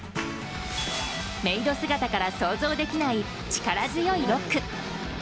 メイド姿から想像できない力強いロック。